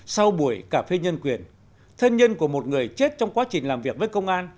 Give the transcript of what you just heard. sau buổi cà phê nhân quyền thân nhân của một người chết trong quá trình làm việc với công an